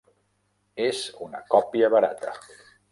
És una còpia barata.